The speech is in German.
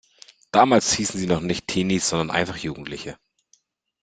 Damals hießen sie noch nicht Teenies sondern einfach Jugendliche.